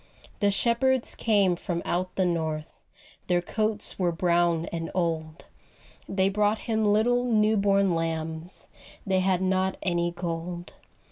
The shepherds came from out the north, Their coats were brown and old, They brought Him little new born lambs They had not any gold.